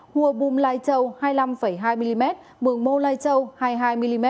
hùa bùm lai châu hai mươi năm hai mm mường mô lai châu hai mươi hai mm